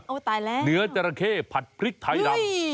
ตายแล้วเนื้อจราเข้ผัดพริกไทยดำ